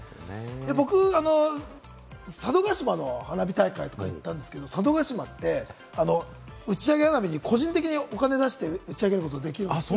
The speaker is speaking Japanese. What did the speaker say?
僕、佐渡島の花火大会とか行ったんですけれども、佐渡島って打ち上げ花火に個人的にお金を出して打ち上げることができるんです。